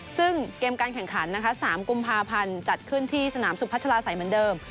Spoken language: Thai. ซึ่งเกมการแข่งขันนะคะ๓กุมภาพันธ์จัดขึ้นที่สนามสุพัชลาศัยเหมือนเดิม